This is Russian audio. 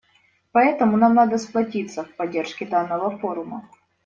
Поэтому нам надо сплотиться в поддержке данного форума.